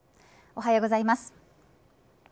おはようございます。